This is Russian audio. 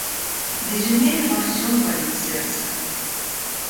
Ведь у ней обо всем болит сердце.